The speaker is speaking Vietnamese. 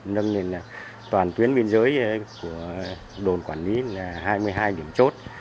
nâng lên toàn tuyến biên giới của đồn quản lý là hai mươi hai điểm chốt